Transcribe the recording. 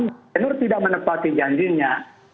gubernur tidak menepati janjinya